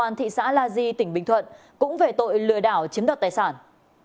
công an thị xã la di tỉnh bình thuận cũng về tội lừa đảo chiếm đoạt tài sản